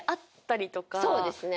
そうですね。